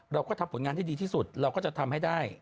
เราก็ทำผลงานที่ดีที่สุดเราก็จะทำให้ได้